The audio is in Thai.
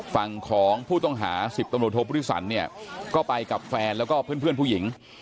ฝั่งของผู้ต้องหา๑๐ตำรวจโทพุทธิสันเนี่ยก็ไปกับแฟนแล้วก็เพื่อนผู้หญิง